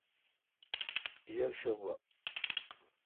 یکشنبہ